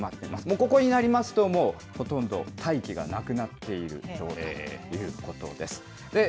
ここになりますと、もうほとんど大気がなくなっているということです。